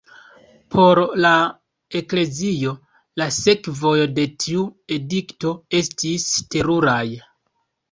Por la Eklezio, la sekvoj de tiu edikto estis teruraj.